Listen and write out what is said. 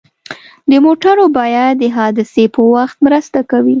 د موټرو بیمه د حادثې په وخت مرسته کوي.